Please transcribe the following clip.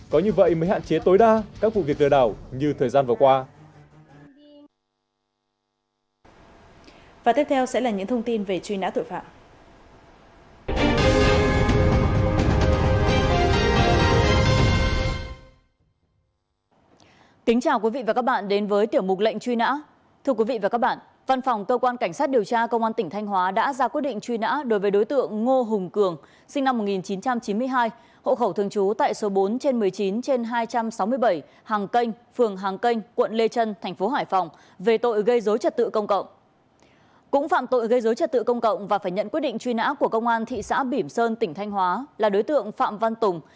có như vậy mới hạn chế tối đa các vụ việc lừa đảo như thời gian vừa qua